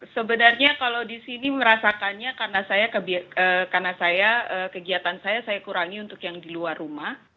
sebenarnya kalau di sini merasakannya karena saya kegiatan saya saya kurangi untuk yang di luar rumah